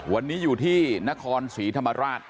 วันนี้อยู่ที่นครศรีธรรมราช